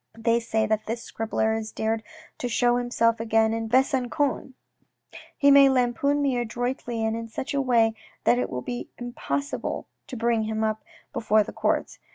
They say that this scribbler has dared to show himself again in Besangon. He may lampoon me adroitly and in such a way that it will be impossible to bring him up before the courts.